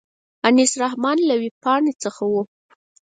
انیس الرحمن له وېبپاڼې څخه و.